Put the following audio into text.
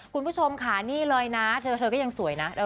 คุณผู้ชมค่ะนี่เลยนะเธอก็ยังสวยนะ